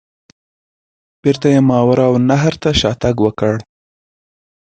بیرته یې ماوراء النهر ته شاته تګ وکړ.